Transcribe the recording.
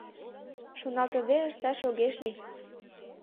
«Шоналтыде ышташ огеш лий»!